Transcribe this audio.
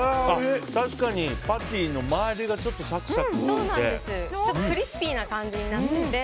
確かに、パティの周りがちょっとサクサクしてて。